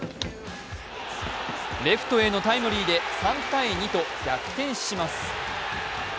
レフトへのタイムリーで３−２と逆転します。